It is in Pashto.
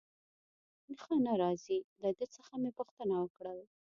ښه نه راځي، له ده څخه مې پوښتنه وکړل.